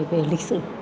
về lịch sử